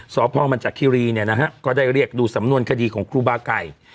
สพมันจากคิรีเนี่ยนะฮะก็ได้เรียกดูสำนวนคดีของครูบาไก่